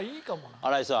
新井さん。